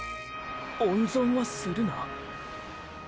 “温存はするな”⁉！